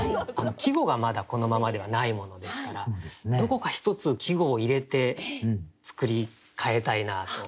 季語が、まだこのままではないものですからどこか１つ季語を入れて作り変えたいなあと。